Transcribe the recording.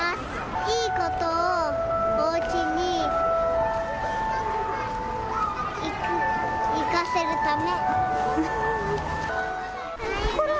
いいことをおうちにいかせるため。